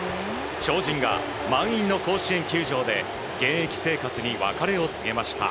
超人が満員の甲子園球場で現役生活に別れを告げました。